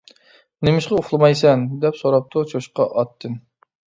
-نېمىشقا ئۇخلىمايسەن؟ دەپ سوراپتۇ چوشقا ئاتتىن.